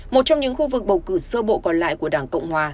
một trong những khu vực bầu cử sơ bộ còn lại của đảng cộng hòa